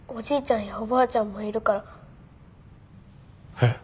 えっ？